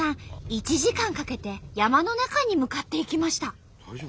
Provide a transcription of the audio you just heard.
１時間かけて山の中に向かっていきました。